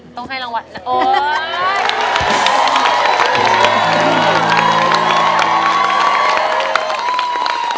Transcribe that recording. ต้องให้รางวัลนะโอ๊ย